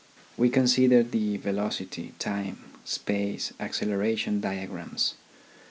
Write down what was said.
We consider the velocity, time, space, acceleration diagrams.